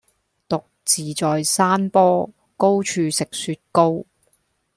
獨自在山坡,高處食雪糕.